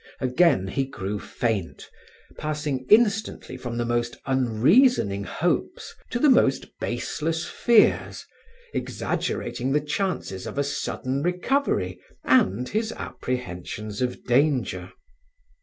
Again he grew faint, passing instantly from the most unreasoning hopes to the most baseless fears, exaggerating the chances of a sudden recovery and his apprehensions of danger.